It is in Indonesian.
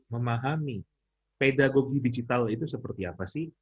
memahami pedagogi digital itu seperti apa sih